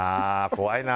怖いな。